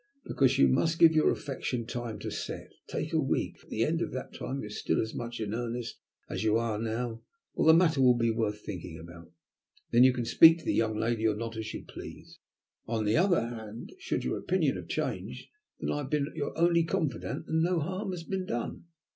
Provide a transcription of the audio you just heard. "Because you must give your affection time to set. Take a week. If at the end of that time you are still as much in earnest as you are now, well, the matter will be worth thinking about. You can then speak to the young lady or not, as you please. On the other hand, should your opinion have changed, then I have been your only confidant, and no harm has been done.